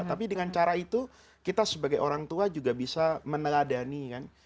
tapi dengan cara itu kita sebagai orang tua juga bisa meneladani kan